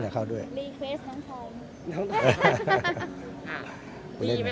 พี่ก็ทำด้วยนะเพลงทั้งท้อง